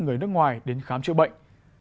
người nước ngoài đến khám trị bệnh